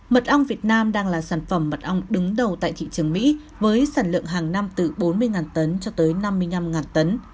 mật ong việt nam đang là sản phẩm mật ong đứng đầu tại thị trường mỹ với sản lượng hàng năm từ bốn mươi tấn cho tới năm mươi năm tấn